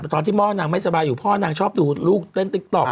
ตอนที่พ่อนางไม่สบายอยู่พ่อนางชอบดูลูกเต้นติ๊กต๊อก